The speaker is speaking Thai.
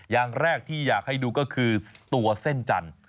อย่างแรกที่อยากให้ดูก็คือตัวเส้นจันทร์